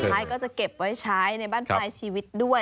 ท้ายก็จะเก็บไว้ใช้ในบ้านปลายชีวิตด้วย